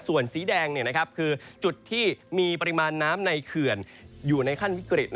ส่วนสีแดงคือจุดที่มีปริมาณน้ำในเขื่อนอยู่ในขั้นวิกฤต